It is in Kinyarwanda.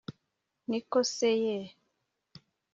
ni ko se ye